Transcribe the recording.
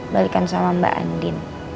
balikan sama mbak andi